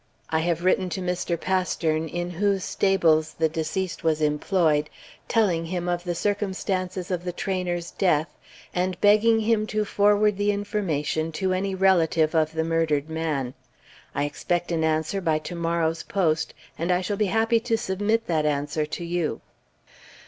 I have written to Mr. Pastern, in whose stables the deceased was employed, telling him of the circumstances of the trainer's death, and begging him to forward the information to any relative of the murdered man. I expect an answer by tomorrow's post, and I shall be happy to submit that answer to you."